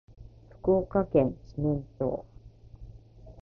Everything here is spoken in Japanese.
福岡県志免町